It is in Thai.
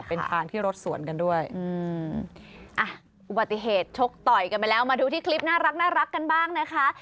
ปฏิเหตุชกต่อยกันไปแล้วมาดูที่คลิปน่ารักกันบ้างนะคะ